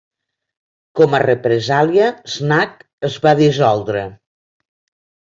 Com a represàlia, Znak es va dissoldre.